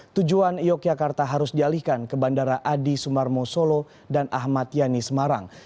tujuan yogyakarta harus dialihkan ke bandara adi sumarmo solo dan ahmad yani semarang